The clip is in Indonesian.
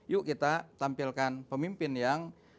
yuk kita tampilkan pemimpin yang